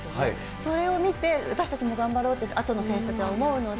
それを見て、私たちも頑張ろうって、あとの選手たちは思うので。